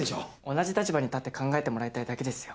同じ立場に立って考えてもらいたいだけですよ。